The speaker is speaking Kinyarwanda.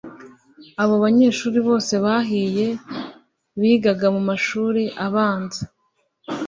Abo banyeshuri bose bahiye bigaga mu mashuri abanza